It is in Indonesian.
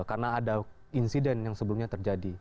karena ada insiden yang sebelumnya terjadi